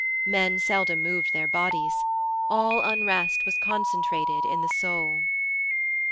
Men seldom moved their bodies; all unrest was concentrated in the soul.